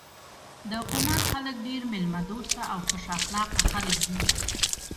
د کونړ خلک ډير ميلمه دوسته او خوش اخلاقه خلک دي.